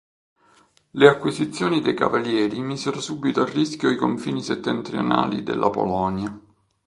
Le acquisizioni dei cavalieri misero subito a rischio i confini settentrionali della Polonia.